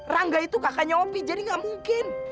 rangga itu kakaknya opi jadi gak mungkin